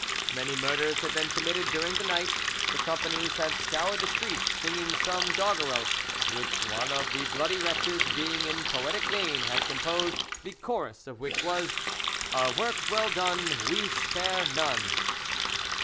Many murders had been committed during the night; the companies had scoured the streets singing some doggerel, which one of the bloody wretches, being in poetic vein, had composed, the chorus of which was: "Our work's well done, We spare none!"